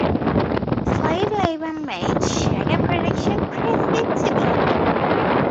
Slave labour made sugar production profitable.